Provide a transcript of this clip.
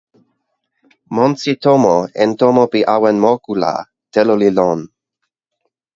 monsi tomo en tomo pi awen moku la, telo li lon.